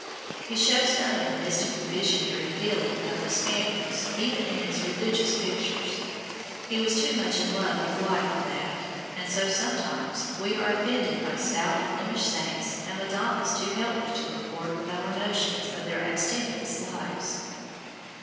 He shows none of the mystical visionary feeling of the Spaniards even in his religious pictures. He was too much in love with life for that, and so, sometimes, we are offended by stout Flemish Saints and Madonnas too healthy to accord with our notions of their abstemious lives.